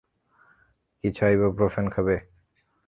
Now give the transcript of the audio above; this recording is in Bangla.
কিছু আইবোপ্রোফেন খাবে?